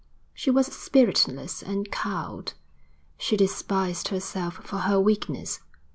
She was spiritless and cowed. She despised herself for her weakness.